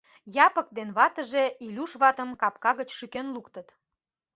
Япык ден ватыже Илюш ватым капка гыч шӱкен луктыт.